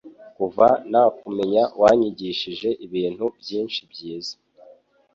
Kuva nakumenya wanyigishije ibintu byinshi byiza